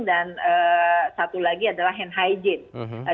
dan satu lagi adalah hand hygiene